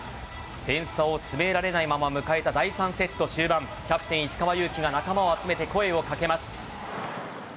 点差を詰められないまま迎えた第３セット終盤キャプテン・石川祐希が仲間を集めて声を掛けます。